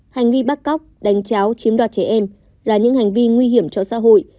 hành vi bắt cóc đánh cháo chiếm đoạt trẻ em là những hành vi nguy hiểm cho xã hội